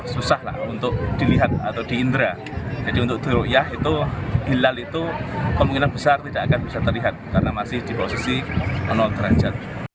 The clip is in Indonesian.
pemantauan ini sodara juga dihadiri sejumlah tokoh agama di merauke dengan menggunakan tiga teleskop pemantau